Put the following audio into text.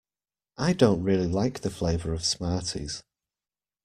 I don't really like the flavour of Smarties